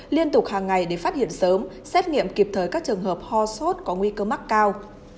liên tục hàng ngày để phát hiện sớm xét nghiệm kịp thời các trường hợp ho sốt có nguy cơ mắc cao